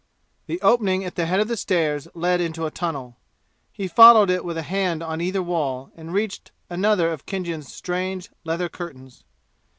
The opening at the head of the stairs led into a tunnel. He followed it with a hand on either wall and reached another of Khinjan's strange leather curtains.